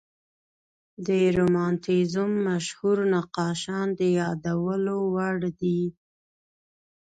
د رومانتیزم مشهور نقاشان د یادولو وړ دي.